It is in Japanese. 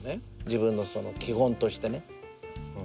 自分の基本としてね。